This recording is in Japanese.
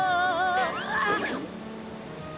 あっ。